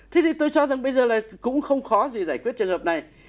thế thì tôi cho rằng bây giờ là cũng không khó gì giải quyết trường hợp này